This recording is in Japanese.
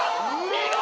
見事！